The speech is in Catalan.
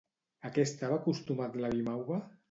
A què estava acostumat l'avi Mauva?